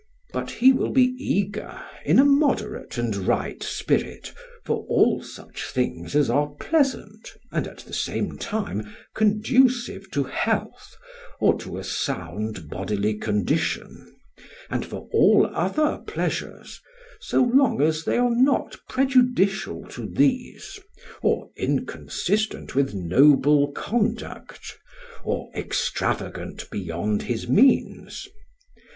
But he will be eager in a moderate and right spirit for all such things as are pleasant and at the same time conducive to health or to a sound bodily condition, and for all other pleasures, so long as they are not prejudicial to these or inconsistent with noble conduct or extravagant beyond his means.